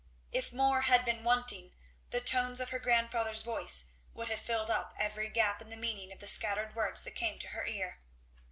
If more had been wanting, the tones of her grandfather's voice would have filled up every gap in the meaning of the scattered words that came to her ear.